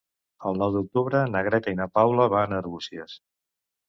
El nou d'octubre na Greta i na Paula van a Arbúcies.